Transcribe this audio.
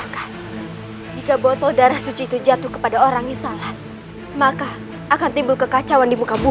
kau harus menjadi istriku